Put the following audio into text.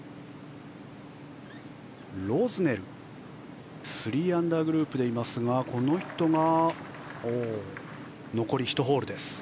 ロズネルは３アンダーグループですがこの人が、残り１ホールです。